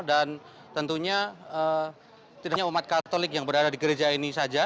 dan tentunya tidak hanya umat katolik yang berada di gereja ini saja